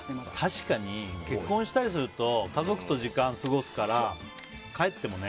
確かに、結婚したりすると家族と時間過ごすから帰ってもね。